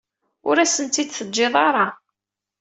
Ur asent-t-id-teǧǧiḍ ara.